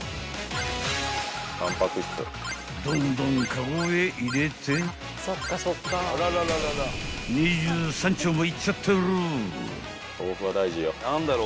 ［どんどんカゴへ入れて２３丁もいっちゃってる］